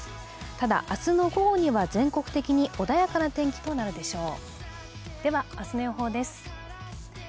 ただ明日の午後には全国的に穏やかな天気となるでしょう。